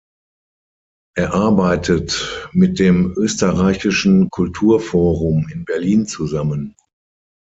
Er arbeitet mit dem Österreichischen Kulturforum in Berlin zusammen.